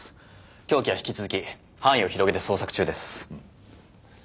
凶器は引き続き範囲を広げて捜索中です。